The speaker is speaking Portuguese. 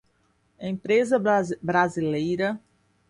Empresa Brasileira de Hemoderivados e Biotecnologia